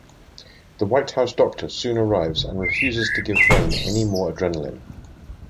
The White House doctor soon arrives and refuses to give Wayne any more adrenaline.